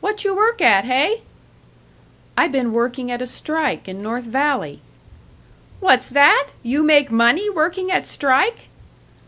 "What you work at, hey?" "I been working at a strike in North Valley." "What's that? You make money working at strike?"